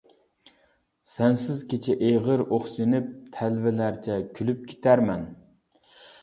سەنسىز كېچە ئېغىر ئۇھسىنىپ، تەلۋىلەرچە كۈلۈپ كېتەرمەن.